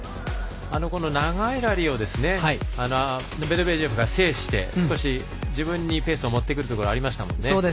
長いラリーをメドベージェフが制して少し自分にペースを持ってくるというところがありましたもんね。